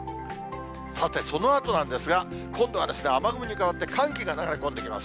さて、そのあとなんですが、今度はですね、雨雲に代わって寒気が流れ込んできます。